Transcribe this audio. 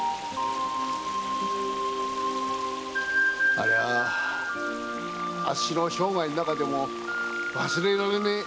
ありゃああっしの生涯の中でも忘れられねえ